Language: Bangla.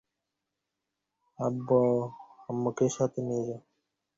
আব্বু, আমাকেও সাথে নিয়ে যাও!